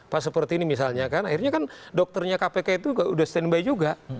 pas seperti ini misalnya kan akhirnya kan dokternya kpk itu udah standby juga